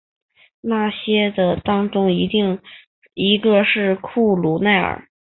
那些的当中一个是库路耐尔。